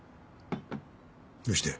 どうして？